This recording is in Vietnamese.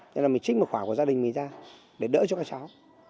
tức là mình trích một khoản của gia đình mình ra để đỡ cho các cháu